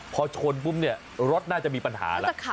พอชนปุ๊บเนี่ยรถน่าจะมีปัญหาแล้ว